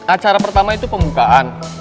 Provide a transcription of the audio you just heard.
acara pertama itu pembukaan